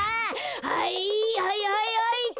はいはいはいはいっと。